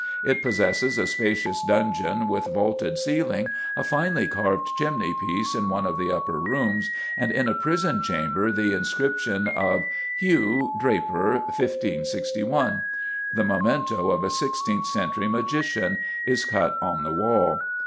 It possesses a spacious dungeon, with vaulted ceiling, a finely carved chimney piece in one of the upper rooms, and in a prison chamber the inscription of "Hew: Draper, 1561" the memento of a sixteenth century magician is cut on the wall.